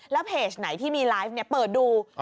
แล้วเพจไหนที่มีไลฟ์เปิดดู